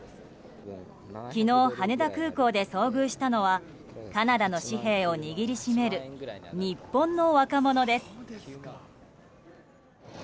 昨日、羽田空港で遭遇したのはカナダの紙幣を握りしめる日本の若者です。